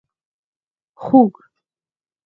🐖 خوګ